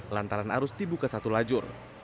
lantaran arus dibuka satu lajur